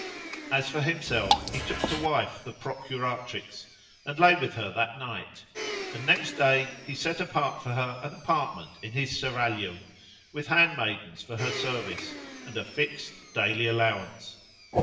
As for himself he took to wife the procuratrix and lay with her that night: and next day he set apart for her an apartment in his Serraglio, with handmaidens for her service and a fixed daily allowance.